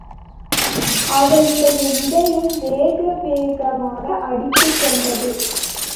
அவளுடைய இதயம் வேகவேகமாக அடித்துக் கொண்டது.